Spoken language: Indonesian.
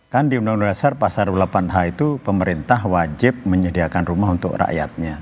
kan di undang undang dasar pasal dua puluh delapan h itu pemerintah wajib menyediakan rumah untuk rakyatnya